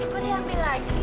kok diambil lagi